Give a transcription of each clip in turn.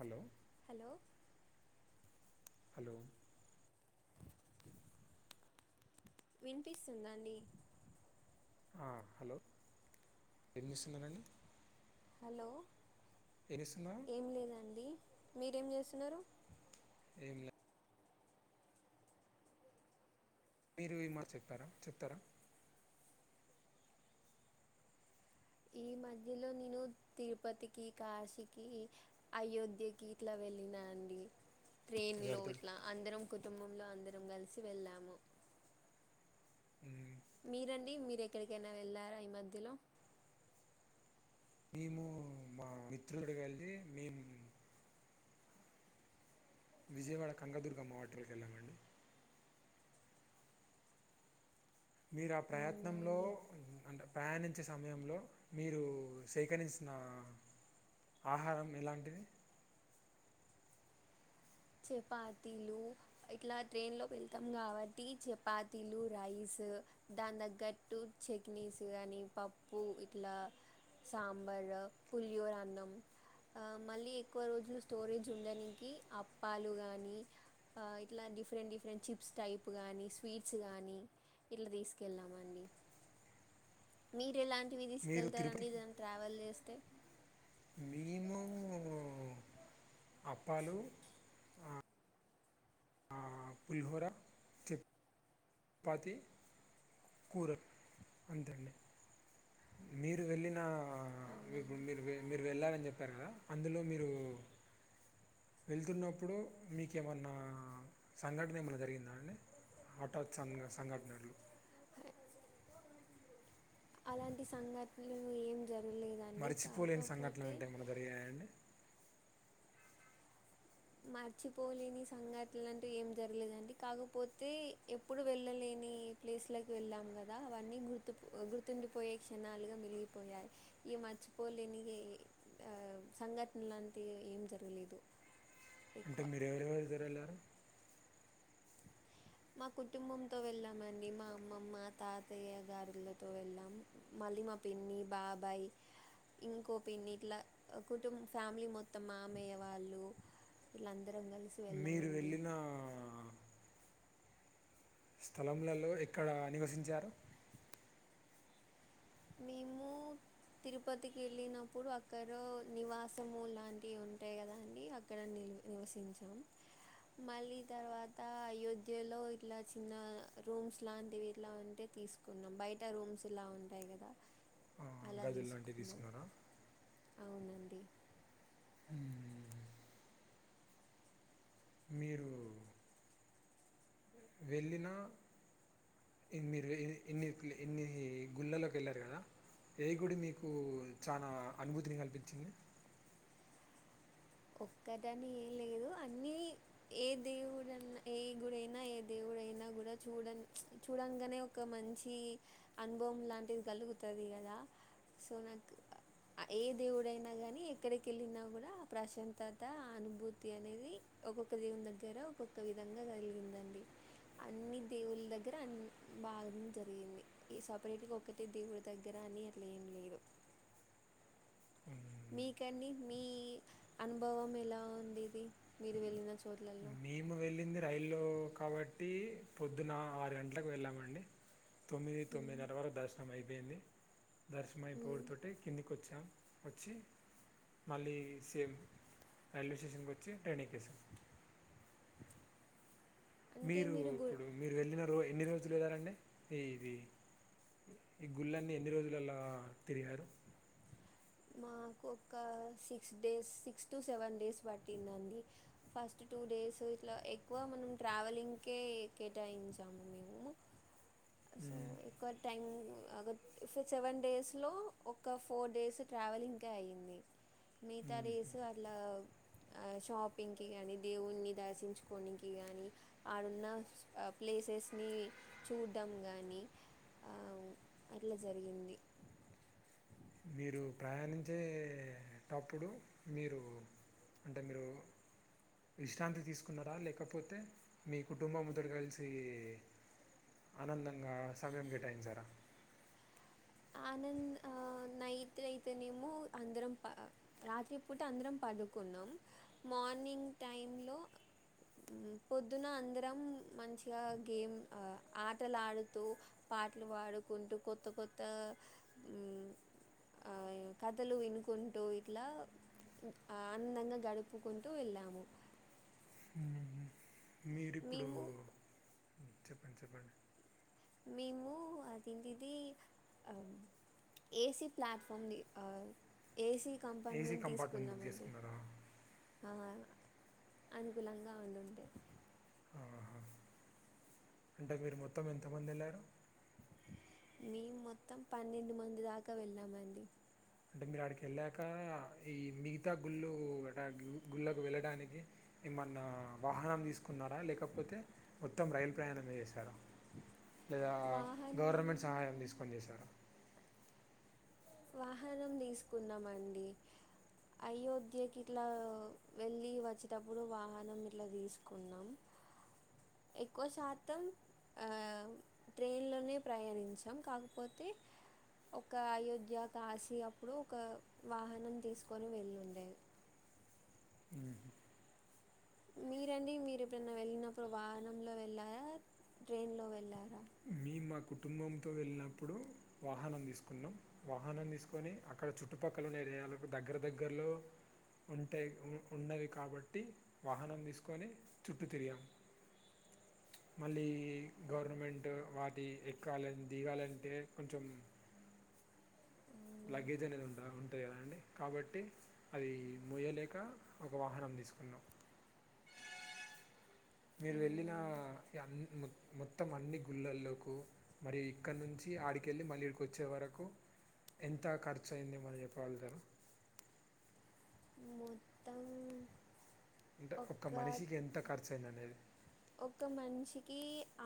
Hello hello hello వినిపిస్తుందండి hello [unintelligible] hello [unintelligible] ఏం లేదండి మీరేం చేస్తున్నారు ఏం లేదు మీరు ఈ మా చెప్పారా చెప్తారా ఈ మధ్యలో నేను తిరుపతికి కాశీకి అయోధ్యకి ఇట్ల వెళ్ళినా అండి ట్రైన్లో ఎవరితో ఇట్ల అందరం కుటుంబంలో అందరం కలిసి వెళ్ళాము ఉ మీరండి మీరు ఎక్కడికైనా వెళ్ళారా ఈ మధ్యలో మేము మా మిత్రుడి [unintelligible] వెళ్ళి మేం విజయవాడ కంగదుర్గ మావటలకి వెళ్మండి మీరు ఆ అవునా ప్రయత్నంలో అండి అంటే ప్రయాణించే సమయంలో మీరు సేకరించి ఆహారం ఎలాంటిది చపాతీలు ఇట్లా ట్రైన్లో వెళ్తాం కాబట్టి చపాతీలు రైస్ దాని తగ్గట్టు చట్నీస్ కానీ పప్పు ఇట్ల సాంబార్ పులియోరు అన్నం మళ్ళీ ఎక్కువ రోజులు స్టోరేజ్ ఉండానికి అప్పాలు కానీ ఇట్లా డిఫరెంట్ డిఫరెంట్ చిప్స్ టైప్ గాని స్వీట్స్ కాగానీ ఇట్ల తీసుకెళ్ళామండి మీరు ఎలాంటివి మీరు తిరుపతి తీసుకెళ్తారండి దాన్ని ట్రావెల్ చేస్తే మేము అప్పాలు ఆ పులిహోర చపాతి కూరలు అంతే అండి మీరు వెళ్ళిన మీరు అవునండి మీరు వెళ్ళాలని చెప్పారు కదా అందులో మీరు వెళ్తున్నప్పుడు మీకేమన్న సంఘటన ఏమైన్న జరిగిందా అండి హఠాత్ సం సంఘటనలు అలాంటి సంఘటనలు ఏం జరగలేద మరిచిపోలేని సంఘటనలు ఏంటే ఏమన్న [unintelligible] మర్చిపోలేని సంఘటన అంటూ ఏం జరగలేదండి కాకపోతే ఎప్పుడు వెళ్ళలేని ప్లేస్లకి వెళ్ళాం కదా అవన్నీ గుర్తు గుర్తుండిపోయే క్షణాలుగా మెలిగిపోయాయ్ ఇ మర్చిపోలేని ఆ సంఘటన లాంటియి ఏం జరగలేదు అంటే ఎక్కువ మీరు ఎవరెవరు ఇద్దరెళ్ళారు మా కుటుంబంతో వెళ్ళామండి మా అమ్మమ్మ తాతయ్య గారులతో వెళ్ళాం మళ్ళీ మా పిన్ని బాబాయ్ ఇంకో పిన్ని ఇట్లా కుటుంబ ఫ్యామిలీ మొత్తం మామయ్య వాళ్ళు ఇలా అందరం కలిసి మీరు వెళ్ళామండి వెళ్ళిన స్థలంలలో ఎక్కడ నివసించారు మేము తిరుపతికెళ్ళినప్పుడు అక్కడ నివాసము లాంటివి ఉంటాయి కదా అండి అక్కడ నివసించాం మళ్ళీ తర్వాత అయోధ్యలో ఇట్లా చిన్న రూమ్స్ లాంటివి ఇట్లా ఉంటే తీసుకు కున్నాం బయట రూమ్స్ ఇలా ఉంటాయి కదా అలా గదులాంటియి తీసుకున్నాం తీసుకున్నారా అవునండి హ్మ్ మీరు వెళ్ళిన ఇన్నిరు ఇన్ని ఇన్ని గుళ్ళల్లోకి వెళ్ళారు కదా ఏ గుడి మీకు చాలా అనుభూతిని కల్పించింది ఒక్కటని ఏం లేదు అన్నీ ఏ దేవుడన్నా ఏ గుడైనా ఏ దేవుడైనా కూడా చూడ చూడంగానే ఒక మంచి అనుభవం లాంటిది కలుగుతది కదా సో నాకు ఏ దేవుడైనా కానీ ఎక్కడికి వెళ్ళినా కూడా ప్రశాంతత అనుభూతి అనేది ఒక్కొక్క దేవుని దగ్గర ఒక్కొక్క విధంగా కలిగిందండి అన్ని దేవుళ్ళ దగ్గర అన్ని బాగా జరిగింది ఈ సపరేట్గా ఒక్కటే దేవుడి దగ్గర అని అట్ల ఏం లేదు మ్మ్. మీకండి మీ అనుభవం ఎలా ఉండేది మీరు వెళ్ళిన చోట్లల్లో మేం వెళ్ళింది రైల్లో కాబట్టి పొద్దున ఆరు గంటలకు వెళ్ళామండి తొమ్మిది తొమ్మిదిన్నర మ్మ్ వరకు దర్శనం అయిపోయింది దర్శనం అయిపోవుడుతోటే కిందికి వచ్చాం వచ్చి మళ్ళీ సేమ్ రైల్వే స్టేషన్కి వచ్చి ట్రైన్ ఎక్కేసాం అంటే మీరు గు ఇప్పుడు మీరు వెళ్ళిన రో ఎన్ని రోజులు వెలారండి ఇది ఈ గుళ్ళన్నీ ఎన్ని రోజులిలా తిరిగారు మాకు ఒక six days six to seven days పట్టిందండి ఫస్ట్ టూ డేస్ ఇట్లా ఎక్కువ మనం ట్రావెలింగ్కే కేటాయించాము మేము సో మ్మ్. ఎక్కువ టైమ్ సెవెన్ డేస్ లో ఒక ఫోర్ డేస్ ట్రావెలింగ్కే అయ్యింది మిగతా మ్మ్. డేసు అట్లా షాపింగ్కి కానీ దేవుని దర్శించుకోడానికి కానీ ఆడున్న ప్లేసెస్ ని చూడ్డం గానీ అట్లా జరిగింది మీరు ప్రయాణించేటప్పుడు మీరు అంటే మీరు విశ్రాంతి తీసుకున్నారా లేకపోతే మీ కుటుంబంతోటి కలిసి ఆనందంగా సమయం కేటాయించారా ఆనంద్ ఆ నైట్ అయితేనేమో అందరం రాత్రి పూట అందరం పడుకున్నాం మార్నింగ్ టైమ్లో పొద్దున అందరం మంచిగా గేమ్ ఆటలాడుతూ పాటలు పాడుకుంటూ కొత్త కొత్త ఆ కథలు వినుకుంటూ ఇట్లా ఆనందంగా గడుపుకుంటూ వెళ్ళాము మీరిప్పుడు మేము చెప్పండి చెప్పండి మేము అదేంటిది ఏసి ప్లాట్ఫార్మ్ని AC AC compartment compartment book తీసుకుందామండి చేసుకున్నారా ఆహా అనుకూలంగా ఉండుంటే హా అంటే మీరు మొత్తం ఎంతమంది వెళ్ళారు మేము మొత్తం పన్నెండు మంది దాకా వెళ్ళామ అండి అంటే మీరు అడికి వెళ్ళాక ఈ మిగతా గుళ్ళు అ గుళ్ళకి వెళ్ళడానికి ఏమన్నా వాహనం తీసుకున్నారా లేకపోతే మొత్తం రైల్ ప్రయాణమే చేశారా లేదా వాహనం గవర్నమెంట్ సహాయం తీసుకొని చేసారా వాహనం తీసుకున్నామండి అయోధ్యకి ఇట్లా వెళ్ళి వచ్చేటప్పుడు వాహనం ఇట్లా తీసుకున్నాం ఎక్కువ శాతం ఆ ట్రైన్లోనే ప్రయాణించాం కాకపోతే ఒక అయోధ్య కాసి అప్పుడు ఒక వాహనం తీసుకొని వెళ్ళ ఉండేది ఉ మీరండి మీరు ఎప్పుడన్నా వెళ్ళినప్పుడు వాహనంలో వెళ్ళారా ట్రైన్లో వెళ్ళారా మేము మా కుటుంబంతో వెళ్ళినప్పుడు వాహనం తీసుకున్నాం వాహనం తీసుకొని అక్కడ చుట్టుపక్కల ఉన్న ఏరియలకు దగ్గర దగ్గరలో ఉంటే ఉన్నవి కాబట్టి వాహనం తీసుకొని చుట్టూ తిరిగాం మళ్ళీ గవర్నమెంట్ వాటి ఎక్కాలని దిగాలంటే కొంచెం అవునా లగేజ్ అనేది ఉంట ఉంటుంది కదా అండి కాబట్టి అది మోయలేక ఒక వాహనం తీసుకున్నాం మీరు అవునా వెళ్ళిన అండి అ మొత్తం అన్ని గుళ్ళల్లోలకు మరియు ఇక్కడి నుంచి ఆడికెళ్ళి మళ్ళీ ఇక్కడికి వచ్చే వరకు ఎంత ఖర్చు అయిందో మన చెప్పగలుగుతారు మొత్తం అంటే ఒక్క ఒక మనిషికి ఎంత ఖర్చు అయింది అనేది ఒక మషికి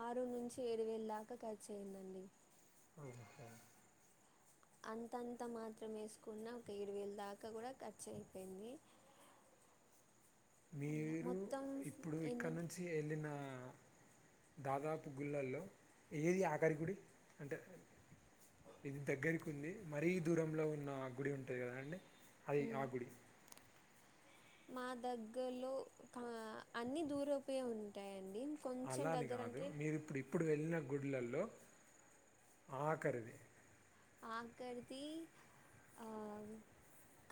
ఆరు నుంచి ఏడు వేల దాకా ఖర్చు అయ్యందండి అకా అంతంత మాత్రం వేసుకున్న ఒక ఏడు వేల దాకా కూడా ఖర్చు అయిపోయింది అలా మీరు మొత్తం ఇప్పుడు ఇక్క ఏంటంటే నుంచి వెళ్ళిన దాదాపు గుళ్ళల్లో ఏది ఆఖరికుడి అంటే ఇది దగ్గరికు ఉంది మరీ దూరంలో ఉన్న ఆ గుడి ఉంటుంది కదా అండి అది ఆ గుడి మా దగ్గరలో అన్ని దూరంవే ఉంటాయిండి అలాని కాదు మీరు ఇప్పుడు ఇప్పుడు వెళ్ళిన గుళ్లల్లో ఆఖరిది ఆకరిది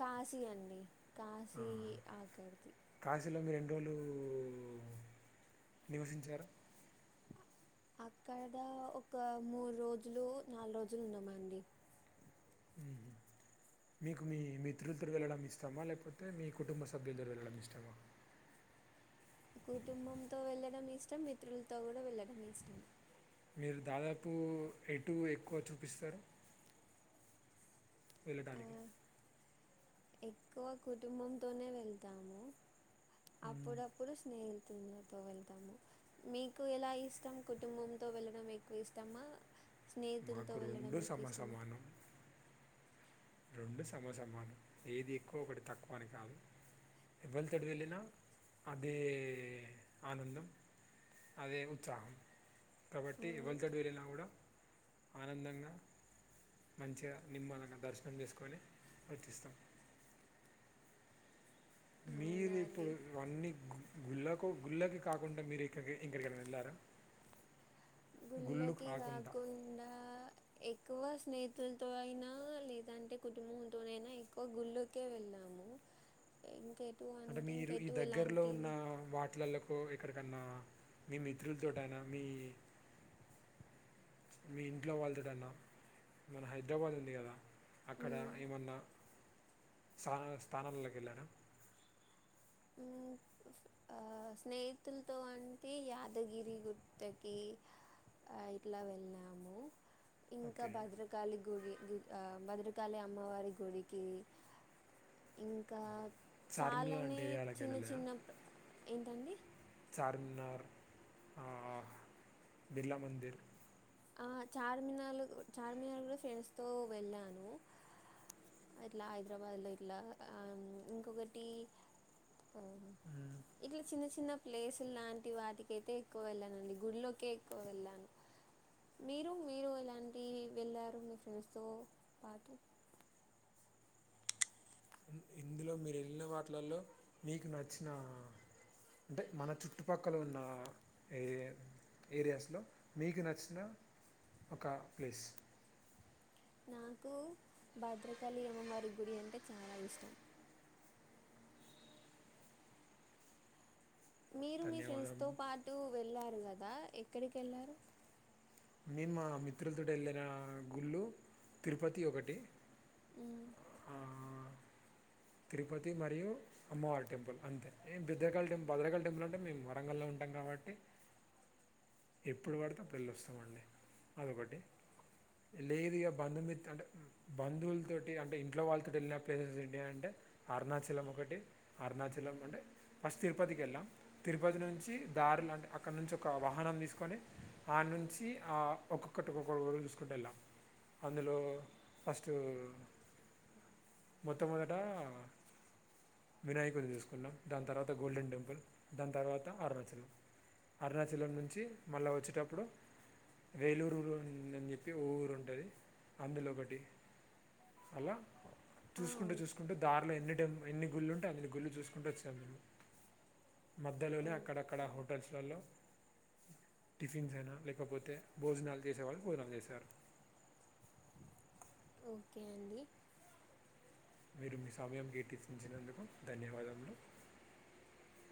కాశీ అండి కాశీ ఆహా. ఆకర్ది కాశీలో మీరు ఎన్రోజులు నివసించారు అక్కడ ఒక మూడు రోజులు నాలుగు రోజులు ఉన్నామండి ఉహ్ మీకు మీ మిత్రులతోటి వెళ్ళడం ఇష్టమా లేకపోతే మీ కుటుంబ సభ్యులతోటి వెళ్ళడం ఇష్టమా కుటుంబంతో వెళ్ళడం ఇష్టం మిత్రులతో కూడా వెళ్ళడం ఇష్టం మీరు దాదాపు ఎటు ఎక్కువ చూపిస్తారు ఆ, వెళ్ళటానికి ఎక్కువ కుటుంబంతోనే వెళ్తాము అప్పుడప్పుడు స్నేహిల్ తులతో వెళ్తాము మీకు ఎలా ఇష్టం కుటుంబంతో వెళ్ళడం ఎక్కువ ఇష్టమా స్నేహితులతో మాకు వెళ్ళడం రెండు మీకు సమ ఇష్టమా సమానం రెండు సమసమానం ఏది ఎక్కువ ఒకటి తక్కువ అని కాదు ఎవళతోటి వెళ్ళినా అదే ఆనందం అదే ఉత్సాహం కాబట్టి అవునండి ఎవలితోటి వెళ్ళినా కూడా ఆనందంగా మంచిగా నిమ్మలంగా దర్శ శనం చేసుకోని వచ్చేస్తాం అవునా మీరు అండి ఇప్పుడు ఇవన్నీ గు గుళ్ళకు గుళ్ళకి కాకుండా మీరు ఇక్కడికి ఎక్కడికైనా వెళ్ళారా గుళ్ళకి కాకుండా ఎక్కువ స్నేహితులతో అయినా లేదంటే కుటుంబం తోనైనా ఎక్కువ గుళ్ళకే వెళ్ళాము ఇంకా ఎటు పో అంటే మీరు ఈ దగ్గర్లో ఉన్న వాటిలలో కో ఎక్కడికన్నా మీ మిత్రులతోట అయినా మీ మీ ఇంట్లో వాళ్లతోటి అన్నా మన హైదరాబాద్ ఉంది కదా అక్కడ ఏమన్నా సాహ్ స్థానాలల్లోకి వెళ్ళారా మ్మ్ ఆ స్నేహితులతో అంటే యాదగిరి గుట్టకి ఆహ్ ఇట్లా వెళ్ళాము ఇంకా ఓకే భద్ర కాళి గుడి గు ఆహ్ భద్రకాళి అమ్మవారి గుడికి ఇంకా చార్మిల్ అంటే చాలానే ఎరియా లైక్ చిన్న చిన్న ప్ ఏంటండి చార్మినార్ ఆహ్ బిర్లా మందిర్ ఆ చార్మినాల్ కు చార్మినార్ కూడా ఫ్రెండ్స్ తో వెళ్ళాను ఇట్లా హైదరాబాద్ లో ఇట్లా ఆహ్ హ్మ్ ఇంకొకటి ఆహ్ ఇట్లా చిన్న చిన్న ప్లేసులు లాంటి వాటికైతే ఎక్కువ వెళ్ళానండి గుల్లకే ఎక్కువ వెళ్ళాను మీరు మీరు ఎలాంటి వెళ్ళారు మీ ఫ్రెండ్స్ తో పాటు ఉహ్ ఇందులో మీరు వెళ్ళిన వాటిలల్లో మీకు నచ్చినా అంటే మన చుట్టుపక్కల ఉన్న ఏ ఏరియాస్లో మీకు నచ్చిన ఒక ప్లేస్ నాకు భద్రకాళి అమ్మవారి గుడి అంటే చాలా ఇష్టం మీరు మీ ఫ్రెండ్స్ ధన్యవాదం తో పాటు వెళ్ళారు కదా ఎక్కడికి వెళ్ళారు నేను మా మిత్రులతోటి వెళ్ళిన గుళ్ళు తిరుపతి ఒకటి ఆహ్ ఆహ్ తిరుపతి మరియు అమ్మవారి టెంపుల్ అంతే బద్రకాళ టెంల్ భద్రకాళీ టెంపుల్ అంటే మేము వరంగల్లో ఉంటాం కాబట్టి ఎప్పుడు పడితే ఆప్పుడు వెళ్ళి వస్తామండి అదొకటి లేదుగా బంధమిత్త అంటే బంధువుల తోటి అంటే ఇంట్లో వాళ్ళతోటి వెళ్ళిన ప్లేసెస్ ఏమిటి అంటే అరుణాచలం ఒకటి అరుణాచలం అంటే ఫస్ట్ తిరుపతికి వెళ్ళాం తిరుపతి నుంచి దారిల అంటే అక్కడ నుంచి ఒక వాహనం తీసుకొని ఆడ నుంచి ఆ ఒక్కొక్కటి ఒక్కటి చూసుకుంటు వెళ్ళాం అందులో ఫస్ట్ మొట్టమొదట వినాయకుని చూసుకున్నాం దాని తర్వాత గోల్డెన్ టెంపుల్ దాని తర్వాత అరుణాచలం అరుణాచలం నుంచి మళ్ళీ వచ్చేటప్పుడు వేలూరులో ఉందని చెప్పి ఓ ఊరు ఉంటది అందులో ఒకటి అలా చూసుకుంటు అవును చూసుకుంటు ఎన్ని టైం ఎన్ని గుళ్ళు ఉంటే అన్ని గుళ్ళు చూసుకుంటు వచ్చాం మేము మధ్యలోనే అక్కడక్కడ ఓకే హోటల్స్లలో టిఫిన్స్ అయినా లేకపోతే భోజనాలు చేసేవాళ్ళు భోజనాలు చేశారు ఓకే అండి మీరు మీ సమయం కేటాచించినందుకు ధన్యవాదములు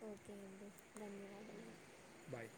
ఓకే అండి ధన్యవాదములు బాయ్